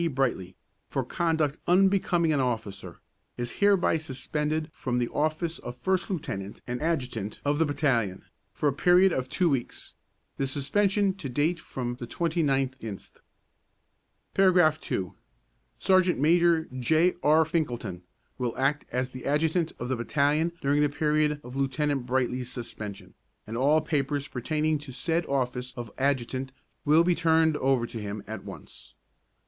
Brightly, for conduct unbecoming an officer, is hereby suspended from the office of first lieutenant and adjutant of the battalion, for a period of two weeks, the suspension to date from the 29th inst. Paragraph II. Sergeant Major J. R. Finkelton will act as adjutant of the battalion during the period of Lieutenant Brightly's suspension, and all papers pertaining to said office of adjutant will be turned over to him at once.